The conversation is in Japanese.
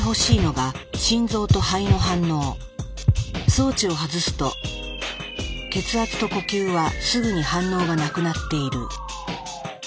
装置を外すと血圧と呼吸はすぐに反応がなくなっている。